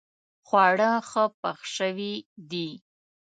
خواړه ښه پخ شوي دي